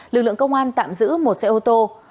lực lượng công an tạm giữ một xe ô tô